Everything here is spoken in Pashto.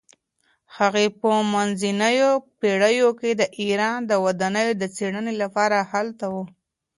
هغې په منځنیو پیړیو کې د ایران د ودانیو د څیړنې لپاره هلته وه.